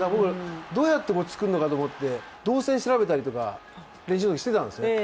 どうやって作るのかと思って動線調べたりとかしていたんですよ。